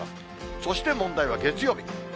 そして問題は月曜日。